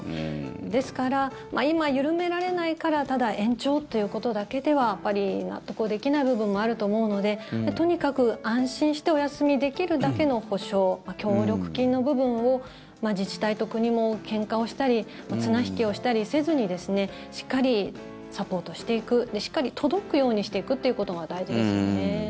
ですから今、緩められないからただ延長ということだけではやっぱり納得できない部分もあると思うので、とにかく安心してお休みできるだけの補償協力金の部分を自治体と国もけんかをしたり綱引きをしたりせずにしっかりサポートしていくしっかり届くようにしていくということが大事ですよね。